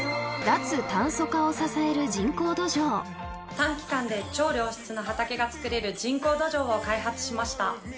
短期間で超良質な畑が作れる人工土壌を開発しました。